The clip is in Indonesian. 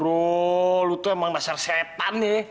oh lu tuh emang dasar sepan ya